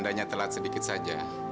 dia borak canggih kan dia